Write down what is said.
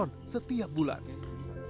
bumk kampung sampah blank room